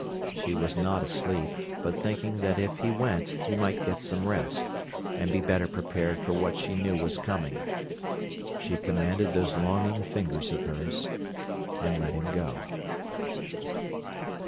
She was not asleep, but thinking that if he went he might get some rest, and be better prepared for what she knew was coming, she commanded those longing fingers of hers—and let him go.